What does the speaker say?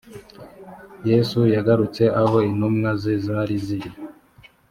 yesu yagarutse aho intumwa ze zari ziri